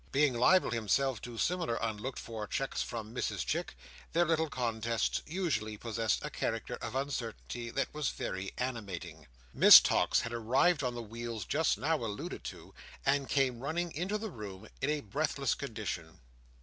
Being liable himself to similar unlooked for checks from Mrs Chick, their little contests usually possessed a character of uncertainty that was very animating. Miss Tox had arrived on the wheels just now alluded to, and came running into the room in a breathless condition.